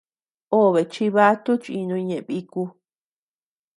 Obe chibatu chinuñ ñeʼe biku.